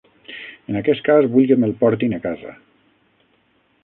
En aquest cas vull que me'l portin a casa.